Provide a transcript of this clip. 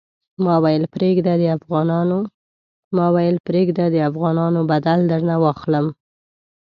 ما ویل پرېږده د افغانانو بدل درنه واخلم.